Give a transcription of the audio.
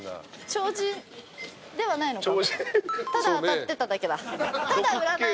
超人ではないか。